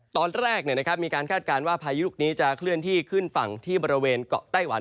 ตอนแรกมีการคาดการณ์ว่าพายุลูกนี้จะเคลื่อนที่ขึ้นฝั่งที่บริเวณเกาะไต้หวัน